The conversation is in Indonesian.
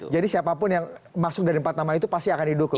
jadi siapapun yang masuk dari empat nama itu pasti akan didukung